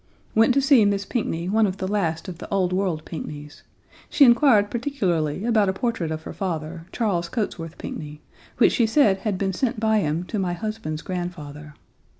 Went to see Miss Pinckney, one of the last of the old world Pinckneys. She inquired particularly about a portrait of her father, Charles Cotesworth Pinckney, 1 which she said had been sent by him to my husband's grandfather.